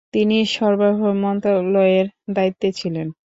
তিনি সরবরাহ মন্ত্রণালয়ের দায়িত্বে ছিলেন।